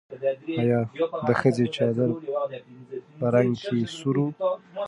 ایا د ښځې چادر په رنګ کې سور و؟